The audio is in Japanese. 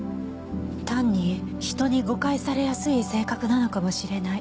単に人に誤解されやすい性格なのかもしれない。